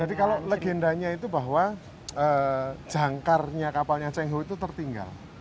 jadi kalau legendanya itu bahwa jangkarnya kapalnya cheng hu itu tertinggal